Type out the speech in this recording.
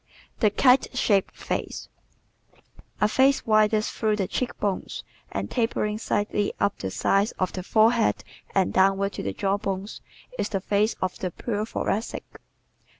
The Kite Shaped Face ¶ A face widest through the cheek bones and tapering slightly up the sides of the forehead and downward to the jaw bones is the face of the pure Thoracic.